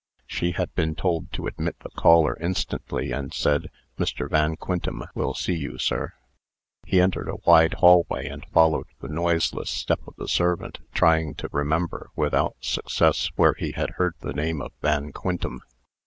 She had been told to admit the caller instantly, and said, "Mr. Van Quintem will see you, sir." He entered a wide hallway, and followed the noiseless step of the servant, trying to remember, without success, where he had heard the name of Van Quintem.